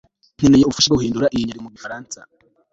nkeneye ubufasha bwo guhindura iyi nyandiko mu gifaransa